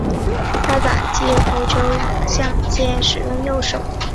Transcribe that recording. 他打击和投球两项皆使用右手。